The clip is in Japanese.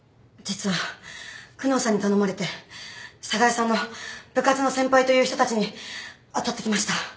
実は久能さんに頼まれて寒河江さんの部活の先輩という人たちにあたってきました。